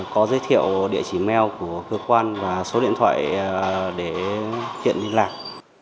có giới thiệu địa chỉ mail của cơ quan và số điện thoại để hiện liên lạc